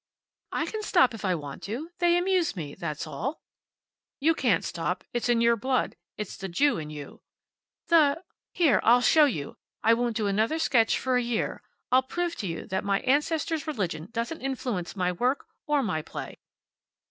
"I can stop if I want to. They amuse me, that's all." "You can't stop. It's in your blood. It's the Jew in you." "The Here, I'll show you. I won't do another sketch for a year. I'll prove to you that my ancestors' religion doesn't influence my work, or my play."